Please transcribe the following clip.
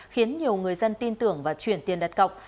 khiến nhiều người dân tin tưởng và chuyển tiền đặt cọc